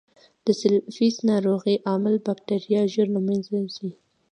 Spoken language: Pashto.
د سفلیس ناروغۍ عامل بکټریا ژر له منځه ځي.